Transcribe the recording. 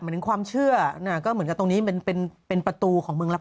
แต่ยังรับแรกคืออยู่ที่อุตรดิตที่เป็นแพทย์เมืองผี